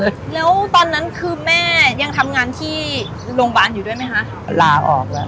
คือแม่ต่อนนั้นทำงานที่โรงพยาบาลอยู่เป็นไหม